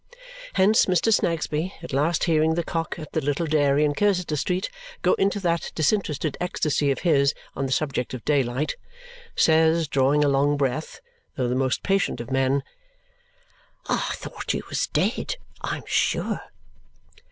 Hence, Mr. Snagsby, at last hearing the cock at the little dairy in Cursitor Street go into that disinterested ecstasy of his on the subject of daylight, says, drawing a long breath, though the most patient of men, "I thought you was dead, I am sure!"